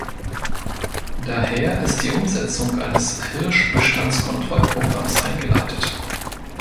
Daher ist die Umsetzung eines Hirschbestandskontrollprogramms eingeleitet.